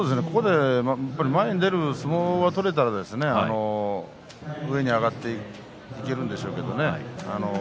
前に出る相撲が取れたら上に上がっていけるんでしょうけどね。